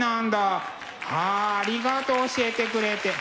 あありがとう教えてくれて。